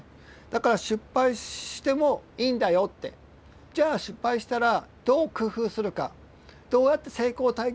だから「失敗してもいいんだよ」って。じゃあ失敗したらどう工夫するかどうやって成功体験に結び付けるか。